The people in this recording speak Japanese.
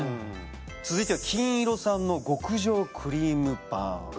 続いてはキンイロさんの極上クリームパン。